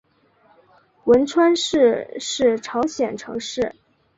文川市是朝鲜城市。